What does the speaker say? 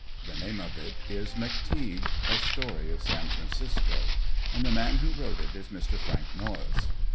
The name of it is "McTeague, a Story of San Francisco," and the man who wrote it is Mr. Frank Norris.